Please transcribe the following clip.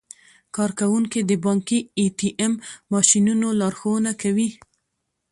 کارکوونکي د بانکي ای ټي ایم ماشینونو لارښوونه کوي.